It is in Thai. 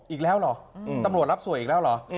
อีกแล้วเหรอตำรวจรับสวยอีกแล้วเหรอ